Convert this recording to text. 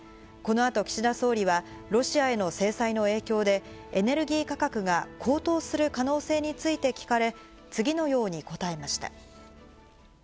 このあと、岸田総理はロシアへの制裁の影響で、エネルギー価格が高騰する可能性について聞かれ、次のように答えました。